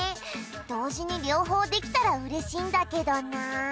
同時に両方できたら嬉しいんだけどな